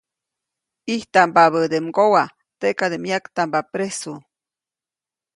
ʼIjtampabäde mgowa, teʼkade myaktamba presu.